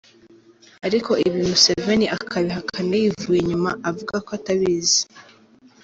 Ariko ibi Museveni akabihakana yivuye inyuma avuga ko atabizi.